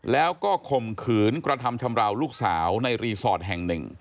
แล้วก็ข่มขืนกระทำชำราวลูกสาวในรีสอร์ทแห่งหนึ่ง